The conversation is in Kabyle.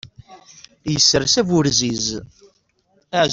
Yessers aburziz.